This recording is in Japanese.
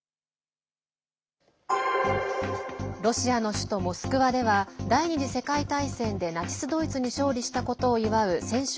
ロシアの首都モスクワでは第２次世界大戦でナチス・ドイツに勝利したことを祝う戦勝